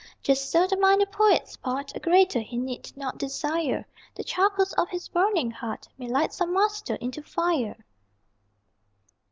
Just so the minor poet's part: (A greater he need not desire) The charcoals of his burning heart May light some Master into fire!